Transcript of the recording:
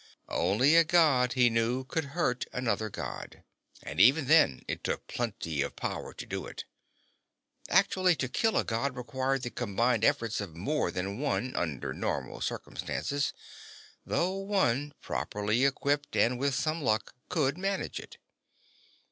Only a God, he knew, could hurt another God, and even then it took plenty of power to do it. Actually to kill a God required the combined efforts of more than one, under normal circumstances though one, properly equipped and with some luck, could manage it.